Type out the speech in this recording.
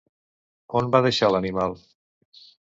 On va deixar l'animal?